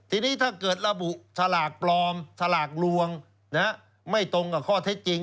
ทีนี้ถ้าเกิดระบุสลากปลอมสลากลวงไม่ตรงกับข้อเท็จจริง